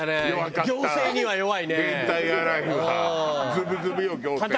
ズブズブよ行政と。